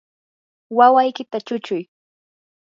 wawaykita chuchuy.